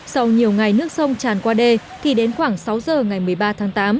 sau nhiều ngày nước sông tràn qua đê thì đến khoảng sáu giờ ngày một mươi ba tháng tám